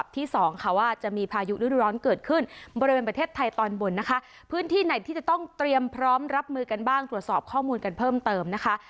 ที่ไหนที่จะต้องเตรียมพร้อมรับมือกันบ้างตรวจสอบข้อมูลกันเพิ่มเติมนะคะ